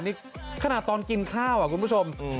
นี่ขนาดตอนกินข้าวคุณผู้ชม